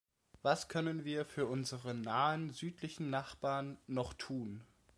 Was können wir für unsere nahen südlichen Nachbarn noch tun?